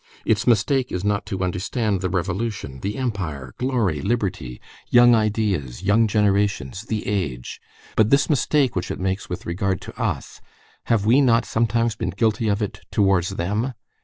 Its mistake is not to understand the Revolution, the Empire, glory, liberty, young ideas, young generations, the age. But this mistake which it makes with regard to us,—have we not sometimes been guilty of it towards them?